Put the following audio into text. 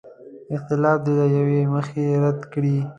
اختلاف دې له یوې مخې رد کړي.